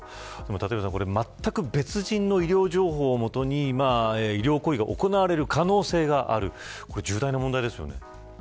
立岩さん、まったく別の人の医療情報をもとに医療行為が行われる可能性があるのは重大な問題ですよね。